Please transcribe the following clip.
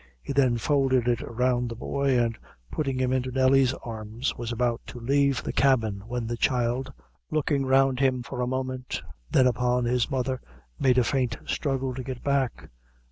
He then folded it round the boy, and putting him into Nelly's arms, was about to leave the cabin, when the child, looking round him for a moment, and then upon his mother, made a faint struggle to get back.